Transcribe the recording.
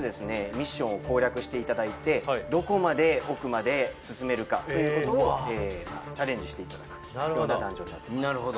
ミッションを攻略していただいてどこまで奥まで進めるかということをチャレンジしていただくようなダンジョンになってます